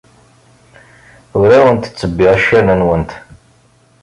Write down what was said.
Ur awent-ttebbiɣ accaren-nwent.